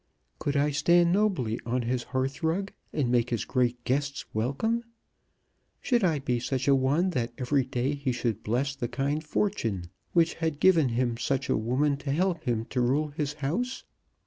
Could I stand nobly on his hearth rug, and make his great guests welcome? Should I be such a one that every day he should bless the kind fortune which had given him such a woman to help him to rule his house?